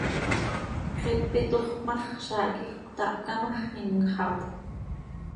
Xepe tooxp ma x, zaah quij cötahca ma x, imxapjö.